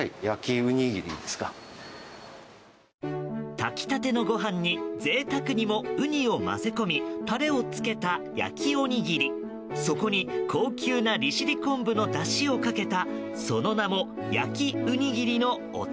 炊き立てのご飯に贅沢にもウニを混ぜ込みタレをつけた焼きおにぎりそこに高級な利尻昆布のだしをかけたその名も焼きウニギリのお茶